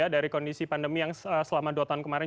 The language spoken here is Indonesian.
dari kondisi pandemi yang selama dua tahun kemarin